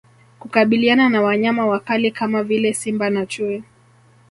Kukabiliana na Wanyama wakali kama vile Simba na Chui